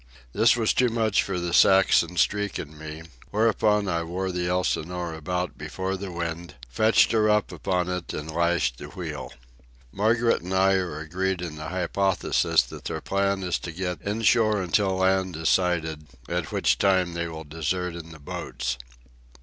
This was too much for the Saxon streak in me, whereupon I wore the Elsinore about before the wind, fetched her up upon it, and lashed the wheel. Margaret and I are agreed in the hypothesis that their plan is to get inshore until land is sighted, at which time they will desert in the boats.